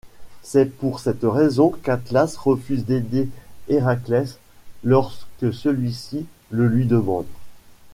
C'est pour cette raison qu'Atlas refuse d'aider Héraclès lorsque celui-ci le lui demande.